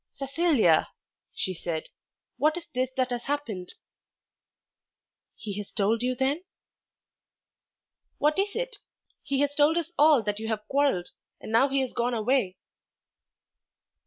"Cecilia," she said, "what is this that has happened?" "He has told you then?" "What is it? He has told us all that you have quarrelled, and now he has gone away."